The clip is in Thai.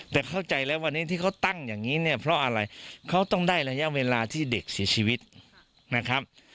แต่เข้าใจแล้ววันนี้ที่เขาตั้งอย่างนี้เนี่ยเพราะอะไรเขาต้องได้ระยะเวลาที่เด็กเสียชีวิตนะครับ